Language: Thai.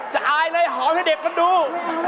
จะอายไงหอมให้เด็กมันดู